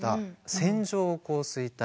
線状降水帯。